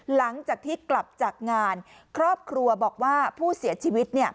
หลังจากที่กลับจากงานครอบครัวบอกว่าผู้เสียชีวิต